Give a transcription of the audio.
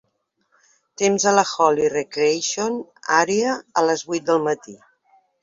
temps a la Holly Recreation Area a les vuit del matí